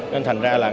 nên thành ra là